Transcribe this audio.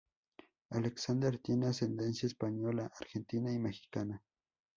Alexander tiene ascendencia española, argentina y mexicana.